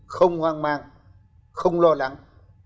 không hoang mang không lo lắng